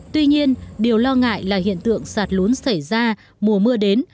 tuy nhiên điều lo ngại là hiện tượng sạt lún xảy ra mùa mưa đến